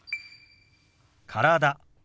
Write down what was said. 「体」。